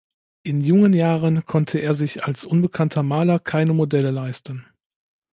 In jungen Jahren konnte er sich als unbekannter Maler keine Modelle leisten.